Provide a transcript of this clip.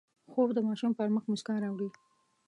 خوب د ماشوم پر مخ مسکا راوړي